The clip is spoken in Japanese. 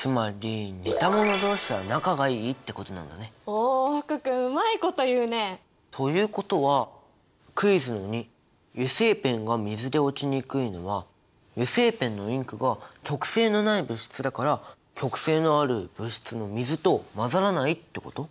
つまりおお福君うまいこと言うね。ということはクイズの②油性ペンが水で落ちにくいのは油性ペンのインクが極性のない物質だから極性のある物質の水と混ざらないってこと？